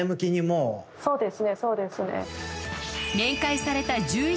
そうですねそうですね。